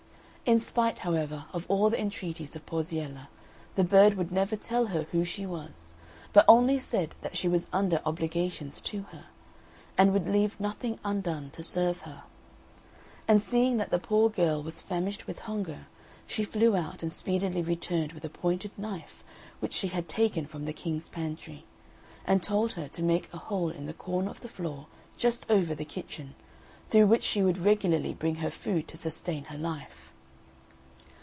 In spite, however, of all the entreaties of Porziella, the bird would never tell her who she was, but only said that she was under obligations to her, and would leave nothing undone to serve her. And seeing that the poor girl was famished with hunger, she flew out and speedily returned with a pointed knife which she had taken from the king's pantry, and told her to make a hole in the corner of the floor just over the kitchen, through which she would regularly bring her food to sustain her life.